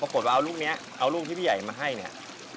ปรากฏว่าเอาลูกนี้เอาลูกที่พี่ใหญ่มาให้เนี่ย